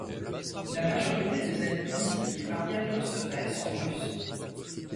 La majorité des alpinistes qui parviennent au sommet sont russes.